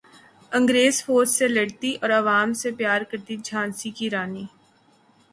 انگریز فوج سے لڑتی اور عوام سے پیار کرتی جھانسی کی رانی